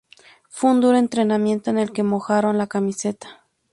Fue un duro entrenamiento en el que mojaron la camiseta